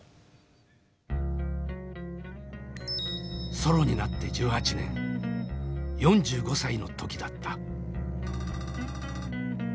ソロになって１８年４５歳の時だった。